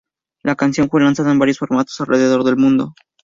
La canción fue lanzada en varios formatos alrededor del mundo.